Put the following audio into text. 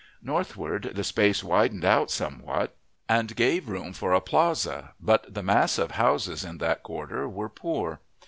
Northward the space widened out somewhat, and gave room for a plaza, but the mass of houses in that quarter were poor.